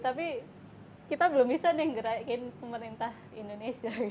tapi kita belum bisa nih ngerakin pemerintah indonesia gitu